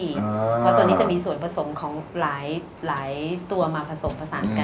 เพราะตัวนี้จะมีส่วนผสมของหลายตัวมาผสมผสานกัน